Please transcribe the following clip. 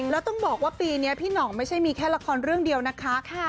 แล้วต้องบอกว่าปีนี้พี่หน่องไม่ใช่มีแค่ละครเรื่องเดียวนะคะ